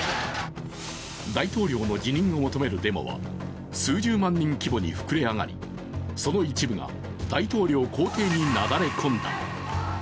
大統領の辞任を求めるデモは数十万人規模に膨れ上がり、その一部が大統領公邸になだれ込んだ。